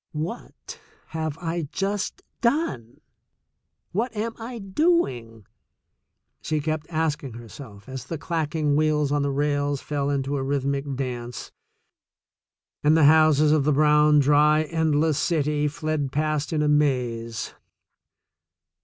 *'What have I just done? What am I doing?" she kept asking herself as the clacking wheels on the rails fell into a rhythmic dance and the houses of the brown, dry, endless city fled past in a maze.